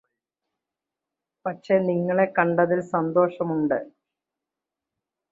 പക്ഷെ നിങ്ങളെ കണ്ടതില് സന്തോഷമുണ്ട്